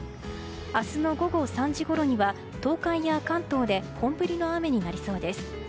明日の午後３時ごろには東海や関東で本降りの雨になりそうです。